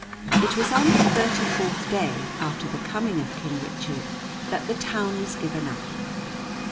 It was on the thirty fourth day after the coming of King Richard that the town was given up.